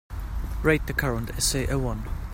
rate the current essay a one